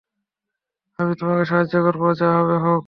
আমি তোমাকে সাহায্য করব, যা হবে হোক।